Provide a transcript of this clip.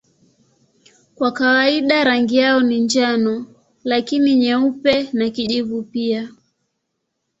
Kwa kawaida rangi yao ni njano lakini nyeupe na kijivu pia.